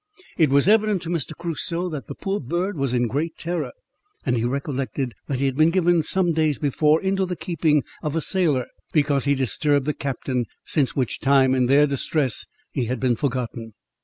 It was evident to Mr. Crusoe that the poor bird was in great terror, and he recollected that he had been given some days before into the keeping of a sailor, because he disturbed the captain, since which time, in their distress, he had been forgotten.